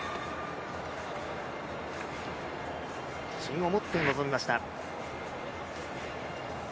自信を持って臨みました。